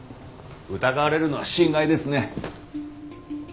疑われるのは心外ですね。